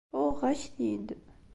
Uɣeɣ-ak-t-id.